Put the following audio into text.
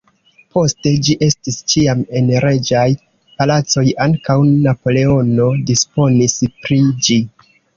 Poste ĝi estis ĉiam en reĝaj palacoj, ankaŭ Napoleono disponis pri ĝi.